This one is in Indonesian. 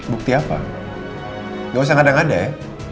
bukti apa gak usah ngadang ngadai